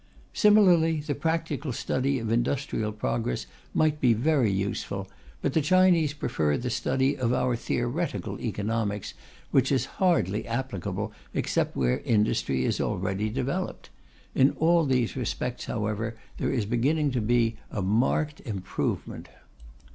Similarly the practical study of industrial processes might be very useful, but the Chinese prefer the study of our theoretical economics, which is hardly applicable except where industry is already developed. In all these respects, however, there is beginning to be a marked improvement.